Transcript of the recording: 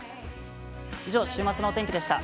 以上週末のお天気でした。